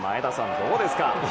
どうですか。